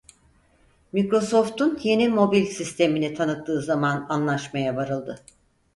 Microsoft'un yeni mobil sistemini tanıttığı zaman anlaşmaya varıldı.